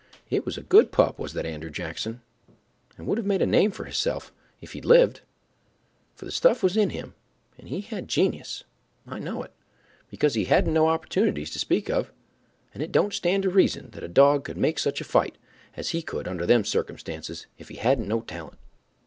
It was a good pup, was that Andrew Jackson, and would have made a name for hisself if he'd lived, for the stuff was in him and he had genius—I know it, because he hadn't no opportunities to speak of, and it don't stand to reason that a dog could make such a fight as he could under them circumstances if he hadn't no talent.